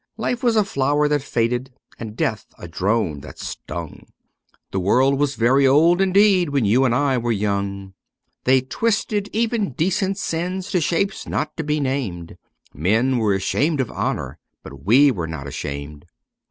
Life was a flower that faded, and death a drone that stung ; The world was very old indeed when you and I were young They twisted even decent sins to shapes not to be named : Men were ashamed of honour ; but we were not ashamed.